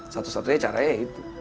satu satunya caranya itu